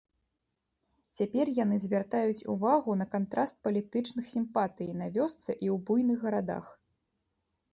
Цяпер яны звяртаюць увагу на кантраст палітычных сімпатый на вёсцы і ў буйных гарадах.